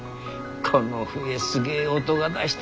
この笛すげえ音がしたな。